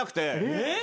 えっ！？